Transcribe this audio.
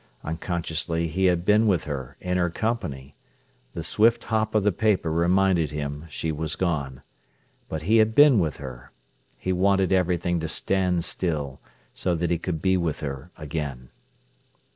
Unconsciously he had been with her, in her company. The swift hop of the paper reminded him she was gone. But he had been with her. He wanted everything to stand still, so that he could be with her again.